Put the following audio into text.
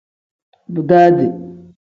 Bigaadi.